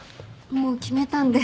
もう決めたんで。